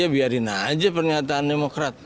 biarin aja pernyataan demokrat